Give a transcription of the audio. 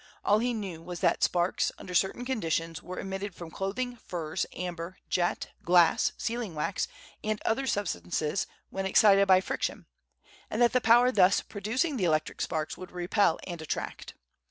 All he knew was that sparks, under certain conditions, were emitted from clothing, furs, amber, jet, glass, sealing wax, and other substances when excited by friction, and that the power thus producing the electric sparks would repel and attract.